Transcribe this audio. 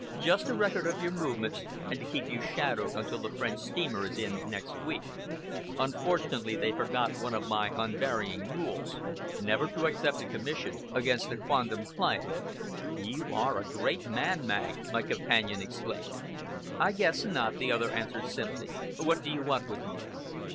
"Just a record of your movements, and to keep you shadowed until the French steamer is in next week. Unfortunately they forgot one of my unvarying rules never to accept a commission against a quondam client." "You are a great man, Magg!" my companion exclaimed. "I guess not," the other answered simply. "What do you want with me?"